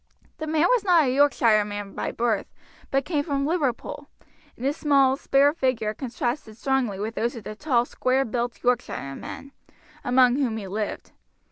The man was not a Yorkshireman by birth, but came from Liverpool, and his small, spare figure contrasted strongly with those of the tall, square built Yorkshiremen, among whom he lived.